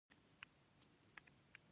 دا رواني دفاعي میکانیزم دی.